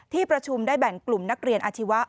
ที่ประชุมได้แบ่งกลุ่มนักเรียนอาชีวะ